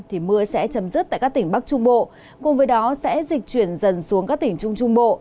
thì mưa sẽ chấm dứt tại các tỉnh bắc trung bộ cùng với đó sẽ dịch chuyển dần xuống các tỉnh trung trung bộ